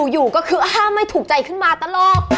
อยู่ก็คือห้ามไม่ถูกใจขึ้นมาตลอด